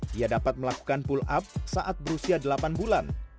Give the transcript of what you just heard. dia dapat melakukan pull up saat berusia delapan bulan